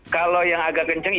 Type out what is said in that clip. kalau yang agak kenceng